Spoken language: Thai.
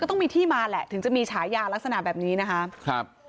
ต้องมีที่มาแหละถึงจะมีฉายาลักษณะแบบนี้นะคะครับ